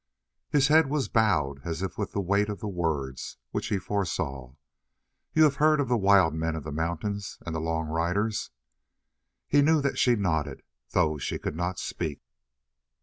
His head was bowed as if with the weight of the words which he foresaw. "You have heard of the wild men of the mountains, and the long riders?" He knew that she nodded, though she could not speak.